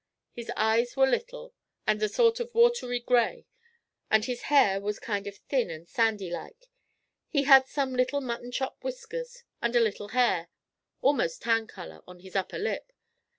His eyes were little, and a sort of watery gray, and his hair was kind of thin and sandy like. He had some little mutton chop whiskers, and a little hair, a'most tan colour, on his upper lip.